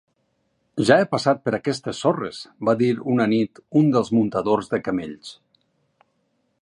"Ja he passat per aquestes sorres", va dir una nit un dels muntadors de camells.